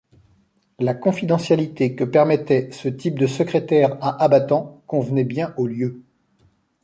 La confidentialité que permettait ce type de secrétaire à abattant convenait bien au lieu.